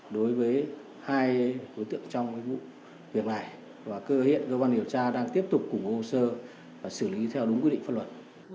đối với hai đối tượng trong vụ việc này và cơ hiện cơ quan điều tra đang tiếp tục củng hồ sơ và xử lý theo đúng quyết định phân luận